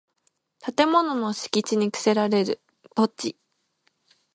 建物の敷地に供せられる土地